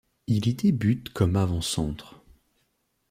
Il y débute comme avant-centre.